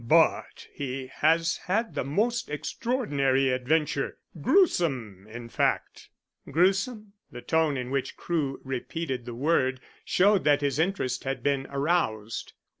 "But he has had the most extraordinary adventure gruesome, in fact." "Gruesome?" The tone in which Crewe repeated the word showed that his interest had been aroused.